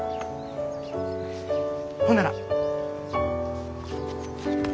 ほんなら。